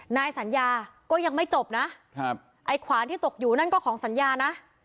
นายสัญญาก็ยังไม่จบนะครับไอ้ขวานที่ตกอยู่นั่นก็ของสัญญานะ